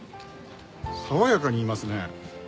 爽やかに言いますね。